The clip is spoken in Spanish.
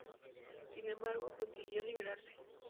Sin embargo, consiguió liberarse.